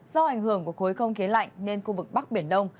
do ảnh hưởng của khối không khí lạnh nên khu vực bắc biển đông